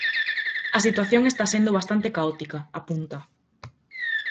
"A situación está sendo bastante caótica", apunta.